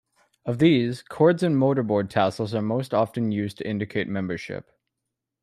Of these, cords and mortarboard tassels are most often used to indicate membership.